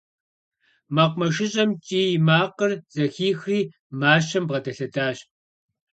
МэкъумэшыщӀэм кӀий макъыр зэхихри, мащэм бгъэдэлъэдащ.